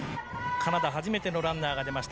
カナダ初めてのランナーが出ました。